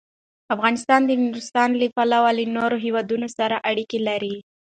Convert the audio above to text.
افغانستان د نورستان له پلوه له نورو هېوادونو سره اړیکې لري.